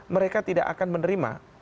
mereka tidak akan menerima